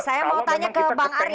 saya mau tanya ke bang ari